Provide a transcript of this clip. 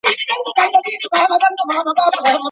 د کمپیوټر ساینس پوهنځۍ په اسانۍ سره نه منظوریږي.